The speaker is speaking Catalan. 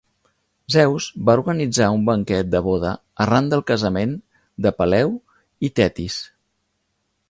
Zeus va organitzar un banquet de boda arran del casament de Peleu i Tetis.